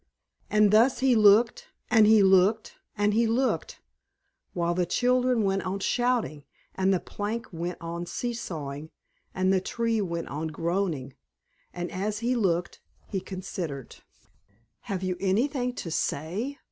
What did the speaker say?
And thus he looked, and he looked, and he looked, while the children went on shouting, and the plank went on see sawing, and the Tree went on groaning; and as he looked, he considered. "Have you anything to say?"